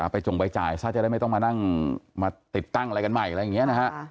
จงไปจ่ายซะจะได้ไม่ต้องมานั่งมาติดตั้งอะไรกันใหม่อะไรอย่างนี้นะฮะ